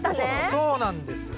そうなんですよ。